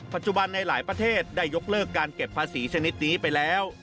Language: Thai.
ในหลายประเทศได้ยกเลิกการเก็บภาษีชนิดนี้ไปแล้ว